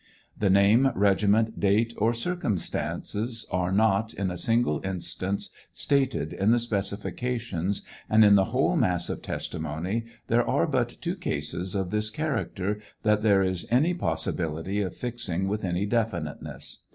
The name, regiment, date, or circumstances are not, in a single instance, stated in the specifications, and in the whole mass of testimony there are but two cases of this character that there is any possiblity of fixing with any definiteness.